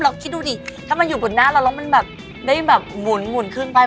เราคิดดูสิถ้ามันอยู่บนหน้าเรามันเดินได้แบบหมุนขึ้นไป